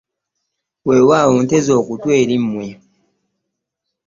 Wewaawo nteze okutu eri mmwe .